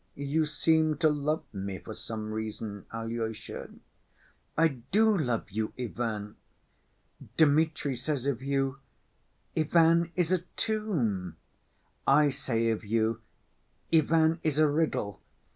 You seem to love me for some reason, Alyosha?" "I do love you, Ivan. Dmitri says of you—Ivan is a tomb! I say of you, Ivan is a riddle.